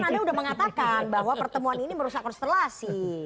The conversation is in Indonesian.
anda sudah mengatakan bahwa pertemuan ini merusak konstelasi